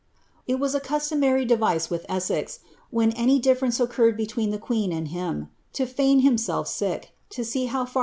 Ii was a customary device with Essex, when any differenee occiirrfti between the queen and him, to feign himself sick, to see how fjr h?